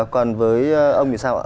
còn với ông thì sao ạ